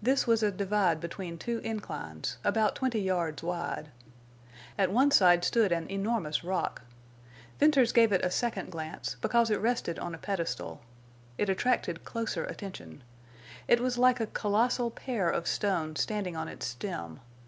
This was a divide between two inclines, about twenty yards wide. At one side stood an enormous rock. Venters gave it a second glance, because it rested on a pedestal. It attracted closer attention. It was like a colossal pear of stone standing on its stem.